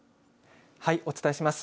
お伝えします。